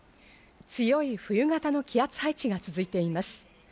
強い冬型の気圧配置が続いています。